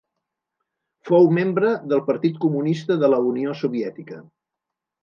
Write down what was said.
Fou membre del Partit Comunista de la Unió Soviètica.